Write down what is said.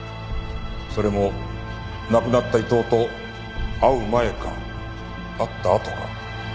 それも亡くなった伊藤と会う前か会ったあとか。